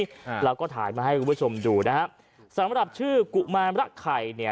อ่าเราก็ถ่ายมาให้คุณผู้ชมดูนะฮะสำหรับชื่อกุมารรักไข่เนี่ย